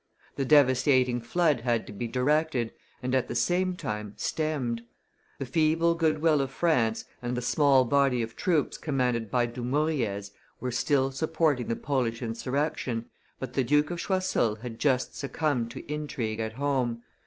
The devastating flood had to be directed, and at the same time stemmed. The feeble goodwill of France and the small body of troops commanded by Dumouriez were still supporting the Polish insurrection, but the Duke of Choiseul had just succumbed to intrigue at home.